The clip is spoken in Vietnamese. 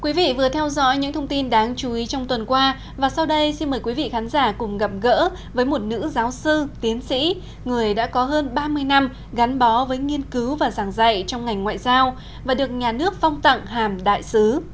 quý vị vừa theo dõi những thông tin đáng chú ý trong tuần qua và sau đây xin mời quý vị khán giả cùng gặp gỡ với một nữ giáo sư tiến sĩ người đã có hơn ba mươi năm gắn bó với nghiên cứu và giảng dạy trong ngành ngoại giao và được nhà nước phong tặng hàm đại sứ